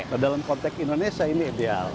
nah dalam konteks indonesia ini ideal